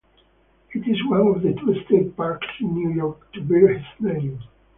It is one of two state parks in New York to bear his name.